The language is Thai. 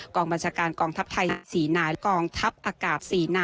บัญชาการกองทัพไทย๔นายกองทัพอากาศ๔นาย